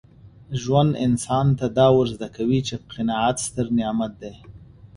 ژوند انسان ته دا ور زده کوي چي قناعت ستر نعمت دی.